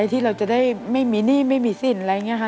ที่เราจะได้ไม่มีหนี้ไม่มีสิ้นอะไรอย่างนี้ค่ะ